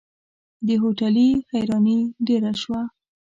د هوټلي حيراني ډېره شوه.